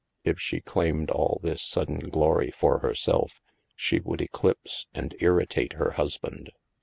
If she claimed all this sudden glory for herself, she would eclipse and irritate her husband.